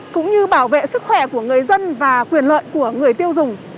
cũng như bảo vệ sức khỏe của người dân và quyền lợi của người tiêu dùng